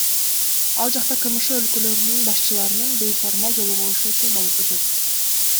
Ал жакта КМШ өлкөлөрүнүн башчыларынын бейформал жолугушуусу өтөт.